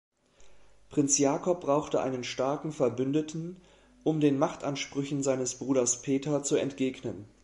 Prinz Jakob brauchte einen starken Verbündeten um den Machtansprüchen seines Bruders Peter zu entgehen.